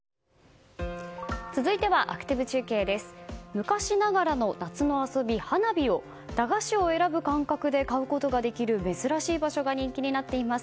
昔ながらの夏の遊び、花火を駄菓子を選ぶ感覚で買うことができず珍しい場所が人気になっています。